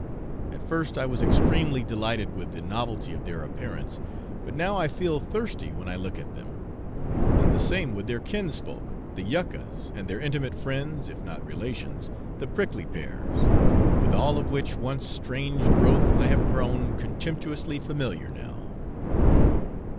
At first I was extremely delighted with the novelty of their appearance; but now I feel thirsty when I look at them, and the same with their kinsfolk the yuccas and their intimate friends, if not relations, the prickly pears, with all of which once strange growth I have grown, contemptuously familiar now.